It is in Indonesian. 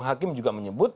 hakim juga menyebut